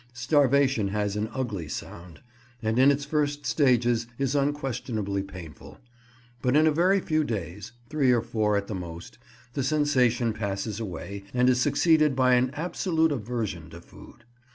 Starvation has an ugly sound, and in its first stages is unquestionably painful; but in a very few days (three or four at the most) the sensation passes away, and is succeeded by an absolute aversion to food.